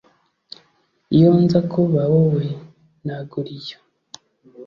iyo nza kuba wowe, nagura iyo